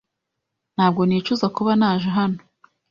Ntabwo nicuza kuba naje hano.